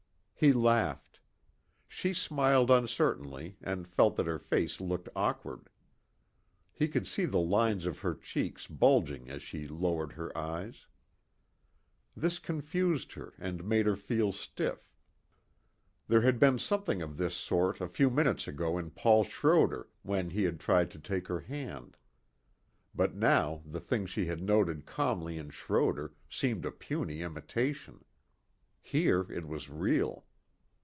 He laughed. She smiled uncertainly and felt that her face looked awkward. She could see the lines of her cheeks bulging as she lowered her eyes. This confused her and made her feel stiff. There had been something of this sort a few minutes ago in Paul Schroder when he had tried to take her hand. But now the thing she had noted calmly in Schroder seemed a puny imitation. Here it was real.